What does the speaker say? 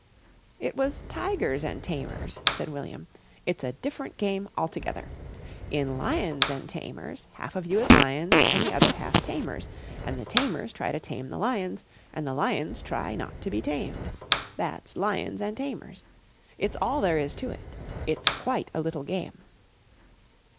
"It was 'Tigers an' Tamers.'" said William. "It's a different game altogether. In 'Lions an' Tamers' half of you is lions an' the other half tamers, an' the tamers try to tame the lions an' the lions try not to be tamed. That's 'Lions an' Tamers'. It's all there is to it. It's quite a little game."